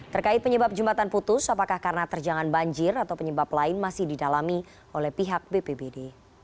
terkait penyebab jembatan putus apakah karena terjangan banjir atau penyebab lain masih didalami oleh pihak bpbd